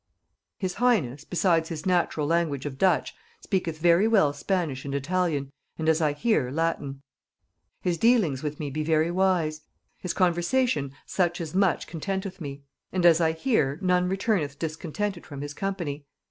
"His highness, besides his natural language of Dutch, speaketh very well Spanish and Italian, and, as I hear, Latin. His dealings with me be very wise; his conversation such as much contenteth me; and, as I hear, none returneth discontented from his company.